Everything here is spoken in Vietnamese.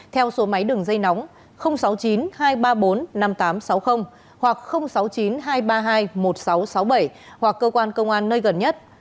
theo số máy đường dây nóng sáu mươi chín hai trăm ba mươi bốn năm nghìn tám trăm sáu mươi hoặc sáu mươi chín hai trăm ba mươi hai một nghìn sáu trăm sáu mươi bảy hoặc cơ quan công an nơi gần nhất